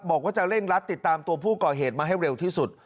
บอกว่าจะเร่งรัดติดตามตัวผู้ก่อเหตุมาให้เร็วที่สุด